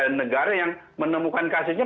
negara yang menemukan kasusnya